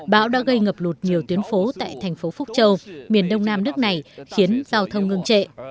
bão đã gây ngập lụt nhiều tuyến phố tại thành phố phúc châu miền đông nam nước này khiến giao thông ngưng trệ